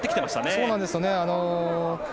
そうなんですよね。